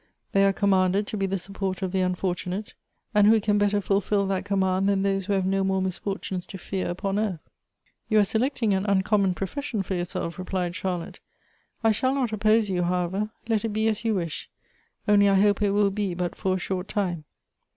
They are commanded to be the support of the unfortunate ; and who can better fulfil that command than those who have no more misfortunes to fear upon earth ?"" You .ire selecting .an uncommon profession for your self," replied Charlotte. •' I shall not oppose you, how ever. Let it be as you wish ; only I hope it will be but for a short time."